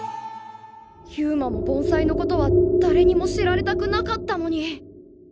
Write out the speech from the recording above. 勇馬も盆栽のことはだれにも知られたくなかったのに。